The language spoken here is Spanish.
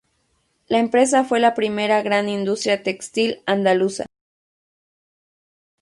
La empresa fue la primera gran industria textil andaluza.